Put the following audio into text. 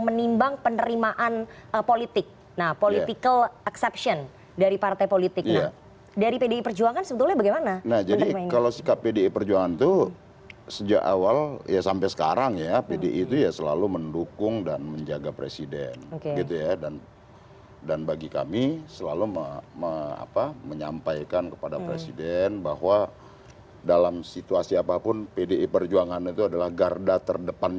pertimbangan ini setelah melihat besarnya gelombang demonstrasi dan penolakan revisi undang undang kpk